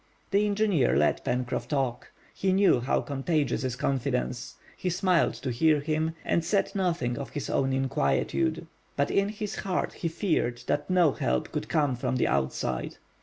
The engineer let Pencroff talk. He knew how contagious is confidence; he smiled to hear him, and said nothing of his own inquietude. But in his heart he feared that no help could come from the outside.